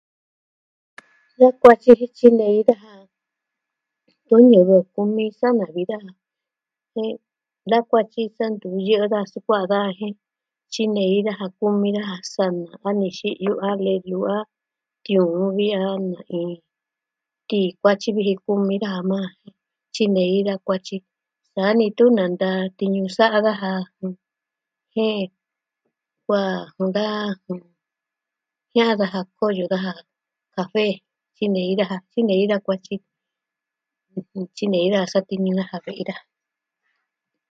Da kuatyi jen tyinei daja da ñɨvɨ kumi su nuu vi da... da kuatyi sa ntu iyo da sukua'a daja jen tyinei daja kumi daja sa na nixi'yu nuu vi a tiuun vi a... tikuatyi vi ri kumi daja maa ja tyinei da kuatyi sa ni tu nanta tiñu sa'a daja jie'e da... da... jie'e daja koyo daja kafe tyinei daja tyinei da kuatyi ɨjɨn tyinei da satiñu daja ve'i daja